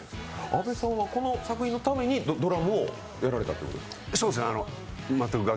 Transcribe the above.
阿部さんはこの作品のためにドラムをやられたということですか？